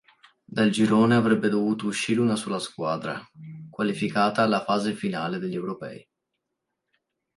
Dal girone avrebbe dovuto uscire una sola squadra, qualificata alla fase finale degli Europei.